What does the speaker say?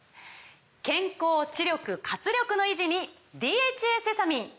健康・知力・活力の維持に「ＤＨＡセサミン」！